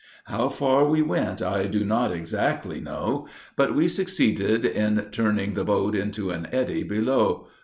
How far we went, I do not exactly know; but we succeeded in turning the boat into an eddy below.